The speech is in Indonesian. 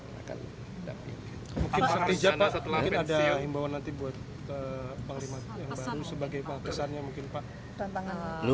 mungkin nanti ada imbauan nanti buat panglima yang baru sebagai pesannya mungkin pak